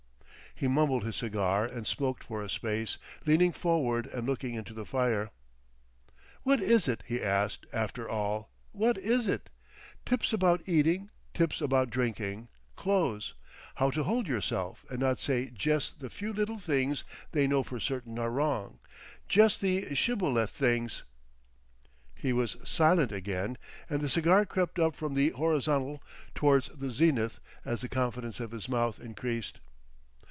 He mumbled his cigar and smoked for a space, leaning forward and looking into the fire. "What is it," he asked, "after all? What is it? Tips about eating; tips about drinking. Clothes. How to hold yourself, and not say jes' the few little things they know for certain are wrong—jes' the shibboleth things." He was silent again, and the cigar crept up from the horizontal towards the zenith as the confidence of his mouth increased.